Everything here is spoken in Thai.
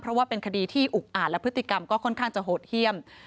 เพราะว่าเป็นคดีที่อุกอาจและพฤติกรรมก็ค่อนข้างจะโหดเยี่ยม